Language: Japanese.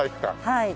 はい。